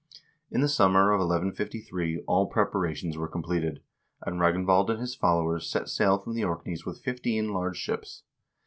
In the summer of 1153 all preparations were completed, and Ragnvald and his followers set sail from the Orkneys with fifteen large ships.